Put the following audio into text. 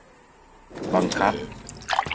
บังคับ